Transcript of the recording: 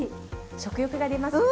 食欲が出ますよね。